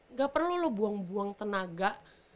nggak perlu lo buang buang tenaga